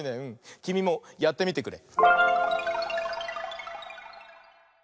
きみもやってみてくれ。